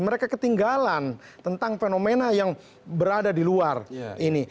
mereka ketinggalan tentang fenomena yang berada di luar ini